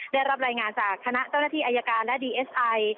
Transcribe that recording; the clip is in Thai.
ได้รับรายงานจากคณะเจ้าหน้าที่อายการและดีเอสไอ